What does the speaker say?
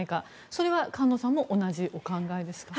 それは菅野さんも同じお考えですか？